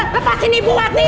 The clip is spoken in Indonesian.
lepasin ibu wati